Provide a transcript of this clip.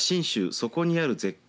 そこにある絶景